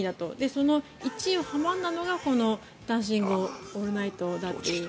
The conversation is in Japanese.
その１位を阻んだのがこの「ダンシング・オールナイト」だと。